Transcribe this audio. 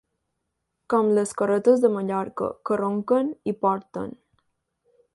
Com les carretes de Mallorca, que ronquen i porten.